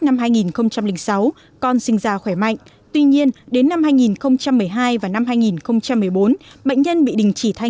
năm hai nghìn sáu con sinh ra khỏe mạnh tuy nhiên đến năm hai nghìn một mươi hai và năm hai nghìn một mươi bốn bệnh nhân bị đình chỉ thanh